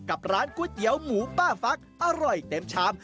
กับร้านก๋วยเตี๋ยวหมูป้าฟักอร่อยเต็มชาม